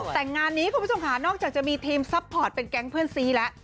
แต่งานนี้คุณผู้ชมค่ะนอกจากจะมีทีมซัพพอร์ตเป็นแก๊งเพื่อนซีแล้ว